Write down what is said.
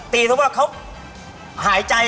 ตีทึกว่าเขาหายใจ